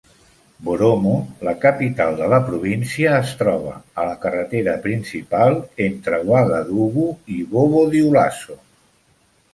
Boromo, la capital de la província, es troba a la carretera principal entre Ouagadougou i Bobo-Dioulasso.